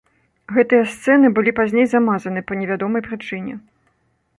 Гэтыя сцэны былі пазней замазаны па невядомай прычыне.